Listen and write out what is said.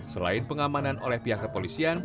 selain pengamanan oleh pihak kepolisian